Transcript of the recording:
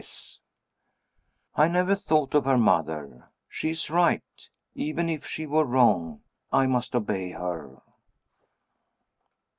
S." I never thought of her mother. She is right. Even if she were wrong, I must obey her.